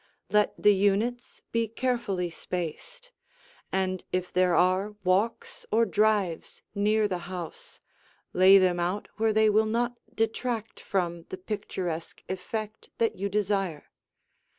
Let the units be carefully spaced, and if there are walks or drives near the house, lay them out where they will not detract from the picturesque effect that you desire.